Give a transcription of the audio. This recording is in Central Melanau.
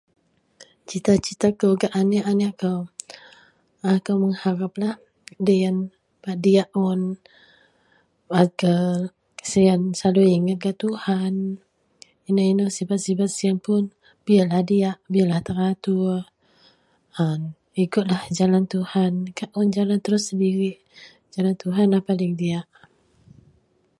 Cita-cita kou gak anek-anek kou akou mengharep doyen bak diyak un agar siyen selalu inget gak Tuhan ino-ino sibet-sibet siyen puon biyar lah diyak biyarlah teratur an ikutlah jalan Tuhan kak un jalan telo sendirik Tuhan a paling diyak .